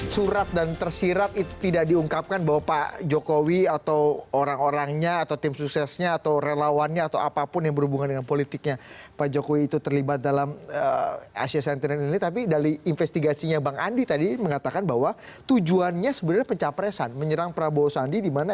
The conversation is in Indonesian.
jadi kita sudah berkomunikasi dengan lee newman